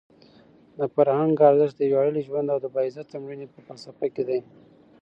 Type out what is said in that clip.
د فرهنګ ارزښت د ویاړلي ژوند او د باعزته مړینې په فلسفه کې دی.